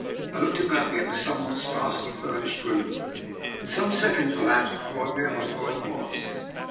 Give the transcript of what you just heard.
I looked about me at the somewhat sparsely furnished room, and some seconds elapsed before I realised where I was.